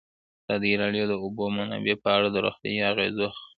ازادي راډیو د د اوبو منابع په اړه د روغتیایي اغېزو خبره کړې.